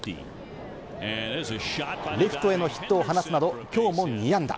レフトへのヒットを放つなど、今日も２安打。